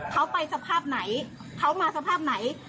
เขาไปสภาพไหนเขามาสภาพไหน